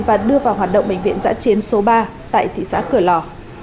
và đưa vào hoạt động bệnh viện giã chiến số ba tại thị xã cửa lò